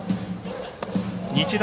日大